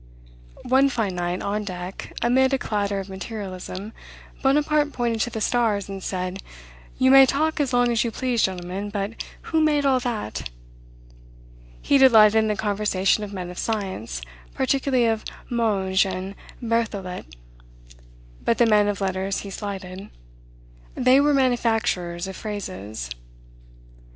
One fine night, on deck, amid a clatter of materialism, Bonaparte pointed to the stars, and said, "You may talk as long as you please, gentlemen, but who made all that?" He delighted in the conversation of men of science, particularly of Monge and Berthollet; but the men of letters he slighted; "they were manufacturers of phrases."